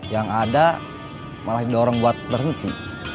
yang ada malah didorong buat berhenti